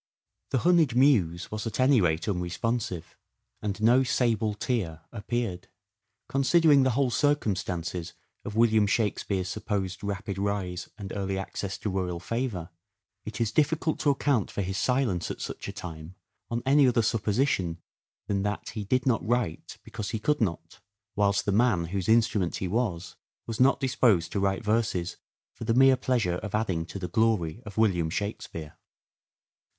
The honeyed muse was at any rate unresponsive, and no " sable tear " appeared. Considering the whole circumstances of William Shakspere's supposed rapid rise and early access to royal favour, it is difficult to account for his silence at such a time on any other supposition than that he did not write because he could not : whilst the man whose instrument he was, was not disposed to write verses for the mere pleasure of adding to the glory of William Shakspere.